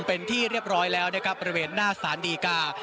เป็นที่เรียบร้อยแล้วนะครับบริเวณหน้าสารดีกา